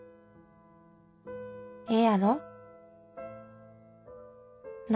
ええやろ。な？」。